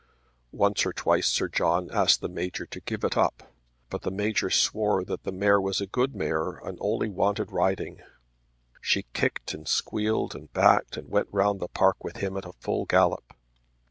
Once or twice Sir John asked the Major to give it up, but the Major swore that the mare was a good mare and only wanted riding. She kicked and squealed and backed and went round the park with him at a full gallop.